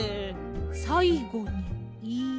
さいごに「い」。